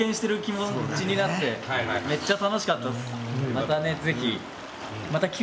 またねぜひ。